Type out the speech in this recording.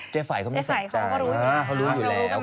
เจ๊ไฟ่เขามันมีผิดแเง้น